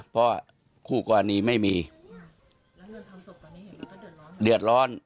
เพราะคู่กว่านี้ไม่มีแล้วเงินทำศพตอนนี้เห็นมันก็เดือดร้อน